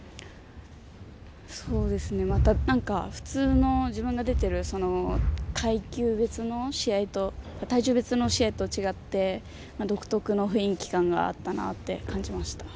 普通の自分が出ている階級別の試合とあ、体重別の試合と違って独特の雰囲気感があったなって感じました。